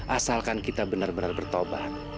asalkan kita benar benar bertobat